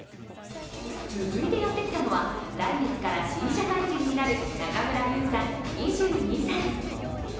続いてやってきたのは来月から新社会人になる中村優さん２２歳。